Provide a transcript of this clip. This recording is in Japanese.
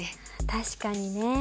確かにね。